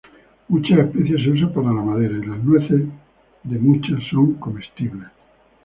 Muchas especies se usan para madera, y sus nueces de muchas son comestibles.